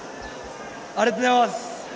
ありがとうございます。